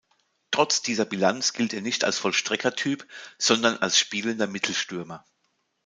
Trotz dieser Bilanz gilt er nicht als Vollstrecker-Typ, sondern als spielender Mittelstürmer.